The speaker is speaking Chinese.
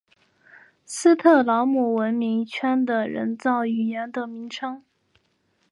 斯特劳姆文明圈的人造语言的名称。